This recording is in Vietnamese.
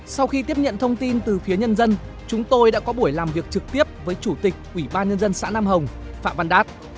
sau khi tiếp nhận thông tin từ phía nhân dân chúng tôi đã có buổi làm việc trực tiếp với chủ tịch ủy ban nhân dân xã nam hồng phạm văn đát